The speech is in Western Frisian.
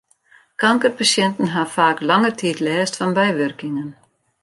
Kankerpasjinten ha faak lange tiid lêst fan bywurkingen.